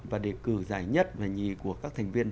và đề cử giải nhất là nhì của các thành viên